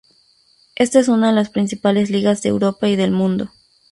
Esta es una de las principales ligas de Europa y del mundo.